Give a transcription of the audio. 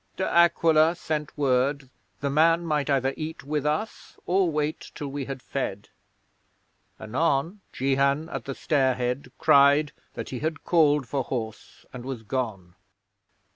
De Aquila sent word the man might either eat with us or wait till we had fed. Anon Jehan, at the stair head, cried that he had called for horse, and was gone.